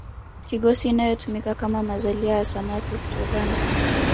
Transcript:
kigosi inayotumika kama mazalia ya samaki kutokana